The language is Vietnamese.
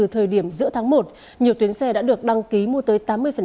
thời điểm giữa tháng một nhiều tuyến xe đã được đăng ký mua tới tám mươi